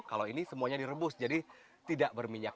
kalau ini semuanya direbus jadi tidak berminyak